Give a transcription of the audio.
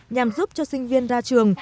nhằm giúp cho sinh viên ra trường